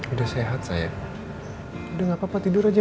udah sehat saya udah gapapa tidur aja